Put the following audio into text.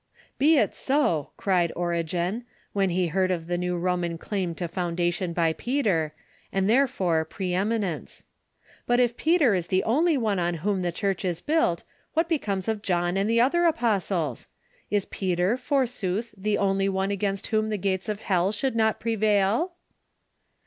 " Be it so," cried Origen, when he heard of the new Roman claim to foundation by Peter, and therefore pre emi nence ;" but if Peter is the only one on whom the Church is built, what becomes of John and the other apostles ? Is Peter, forsooth, the only one against whom the gates of hell should not prevail